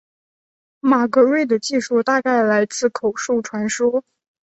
马格瑞的记述大概来自口述传说。